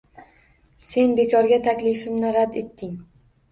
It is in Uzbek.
Sen bekorga taklifimni rad etding.